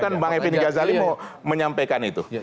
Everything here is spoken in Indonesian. yang bang eveni ghazali mau menyampaikan itu